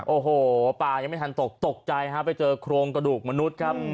โอ้โหปลายังไม่ทันตกตกใจฮะไปเจอโครงกระดูกมนุษย์ครับ